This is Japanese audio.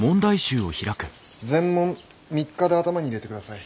全問３日で頭に入れてください。